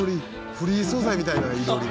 フリー素材みたいな囲炉裏。